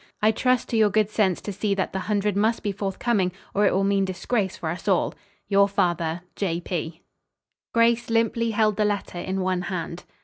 I trust to your good sense to see that the hundred must be forthcoming, or it will mean disgrace for us all. Your father, J. P. Grace limply held the letter in one hand.